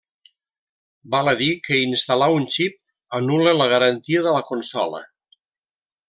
Val a dir que instal·lar un xip anul·la la garantia de la consola.